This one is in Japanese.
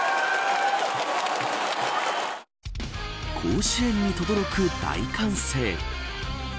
甲子園にとどろく大歓声。